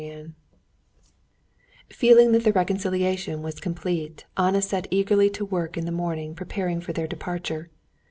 Chapter 25 Feeling that the reconciliation was complete, Anna set eagerly to work in the morning preparing for their departure.